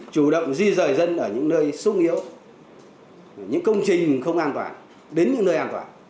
chủ động di rời dân ở những nơi sung yếu những công trình không an toàn đến những nơi an toàn